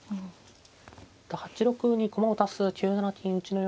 ８六に駒を足す９七金打のような手か。